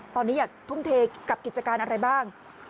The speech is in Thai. ตอนนี้อยากทุ่มเทกับกิจการอะไรบ้าง